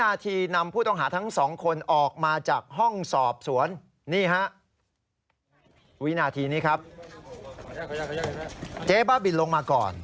กระจงขึ้นถึงประมาณห้าทุ่ม